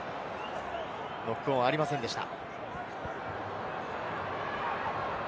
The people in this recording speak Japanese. ノックオンはありませんでした。